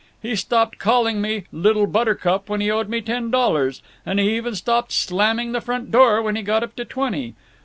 He stopped calling me, Little Buttercup, when he owed me ten dollars, and he even stopped slamming the front door when he got up to twenty.